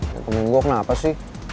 ketemu gue kenapa sih